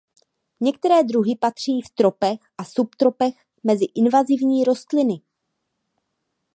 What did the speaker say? Některé druhy patří v tropech a subtropech mezi invazivní rostliny.